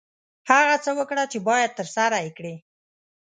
هغه څه وکړه چې باید ترسره یې کړې.